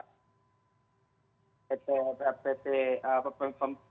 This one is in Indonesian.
pt pt pem pem pem